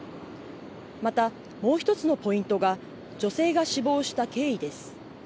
また、もう１つのポイントが女性が死亡した経緯です。